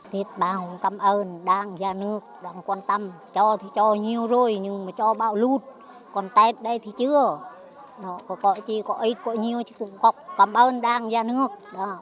tết bà không cảm ơn đang ra nước đang quan tâm cho thì cho nhiều rồi nhưng mà cho bão lút còn tết đây thì chưa có ít có nhiều thì cũng không cảm ơn đang ra nước